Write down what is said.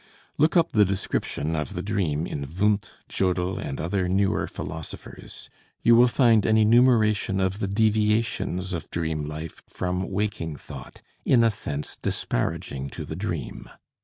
Look up the description of the dream in Wundt, Jodl and other newer philosophers. You will find an enumeration of the deviations of dream life from waking thought, in a sense disparaging to the dream.